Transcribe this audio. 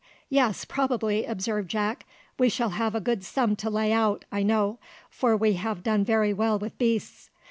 "Yes, probably," observed Jack. "We shall have a good sum to lay out, I know; for we have done very well with beasts.